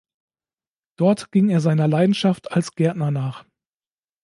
Dort ging er seiner Leidenschaft als Gärtner nach.